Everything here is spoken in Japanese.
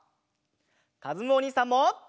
かずむおにいさんも！